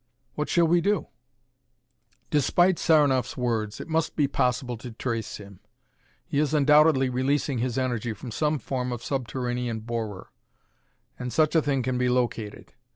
"What shall we do?" "Despite Saranoff's words, it must be possible to trace him. He is undoubtedly releasing his energy from some form of subterranean borer, and such a thing can be located.